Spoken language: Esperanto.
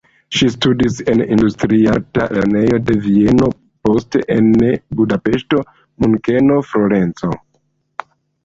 Ŝi studis en industriarta lernejo de Vieno, poste en Budapeŝto, Munkeno, Florenco.